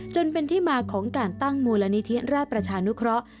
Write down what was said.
จนเป็นที่มาของการตั้งมูลนิธิราชประชานุเคราะห์